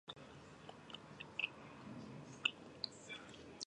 ნიადაგის სინოტივის გამო, სამარხეული ინვენტარი ცუდად იყო შემონახული.